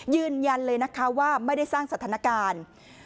ยืนยันเลยนะคะว่าไม่ได้สร้างสถานการณ์